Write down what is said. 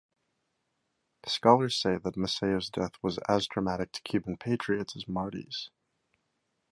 Scholars say that Maceo's death was as traumatic to Cuban patriots as Marti's.